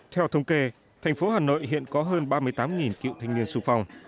theo thông kê tp hà nội hiện có hơn ba mươi tám cựu thanh niên xung phong